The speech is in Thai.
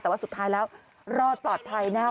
แต่ว่าสุดท้ายแล้วรอดปลอดภัยนะครับ